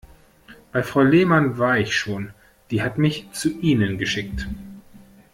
Bei Frau Lehmann war ich schon, die hat mich zu Ihnen geschickt.